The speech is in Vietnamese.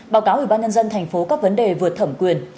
báo cáo ủy ban nhân dân tp các vấn đề vượt thẩm quyền